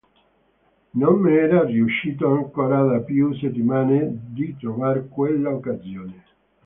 Non m'era riuscito ancora da più settimane di trovar quella occasione.